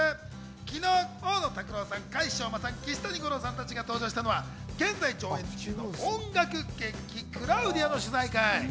昨日、大野拓朗さん、甲斐翔真さん、岸谷五朗さん達が登場したのは、現在上演中の音楽劇『クラウディア』の取材会。